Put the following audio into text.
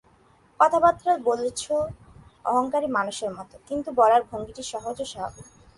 কথাবার্তা বলছে অহঙ্কারী মানুষের মতো, কিন্তু বলার ভঙ্গিটি সহজ ও স্বাভাবিক।